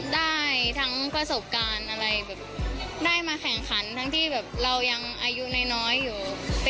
ได้ทั้งประสบการณ์อะไรแบบได้มาแข่งขันทั้งที่แบบเรายังอายุน้อยอยู่